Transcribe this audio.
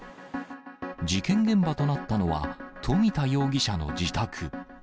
事件現場となったのは、富田容疑者の自宅。